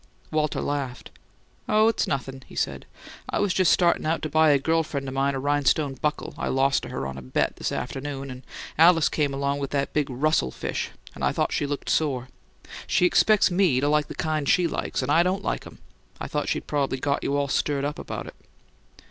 Walter laughed. "Oh, it's nothin'," he said. "I was just startin' out to buy a girl friend o' mine a rhinestone buckle I lost to her on a bet, this afternoon, and Alice came along with that big Russell fish; and I thought she looked sore. She expects me to like the kind she likes, and I don't like 'em. I thought she'd prob'ly got you all stirred up about it."